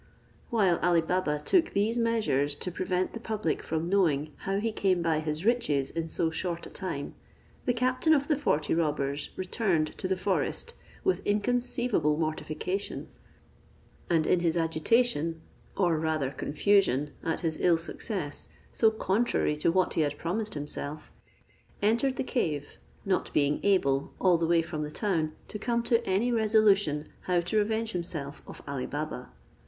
While Ali Baba took these measures to prevent the public from knowing how he came by his riches in so short a time, the captain of the forty robbers returned to the forest with inconceivable mortification; and in his agitation, or rather confusion, at his ill success, so contrary to what he had promised himself, entered the cave, not being able, all the way from the town, to come to any resolution how to revenge himself of Ali Baba.